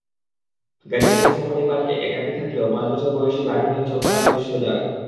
গাজীপুরের সাফারি পার্কে একাকী থাকলেও পাঁচ বছর বয়সী বাঘিনীর চোখ-কান বেশ সজাগ।